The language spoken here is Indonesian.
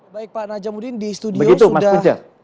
baik pak najam terima kasih